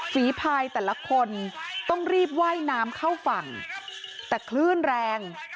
ฝีพายแต่ละคนต้องรีบว่ายน้ำเข้าฝั่งแต่คลื่นแรง